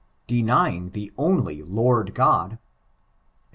"Den3ring the only liord God," &e.